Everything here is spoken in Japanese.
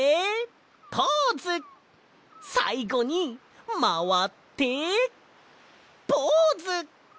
さいごにまわってポーズ！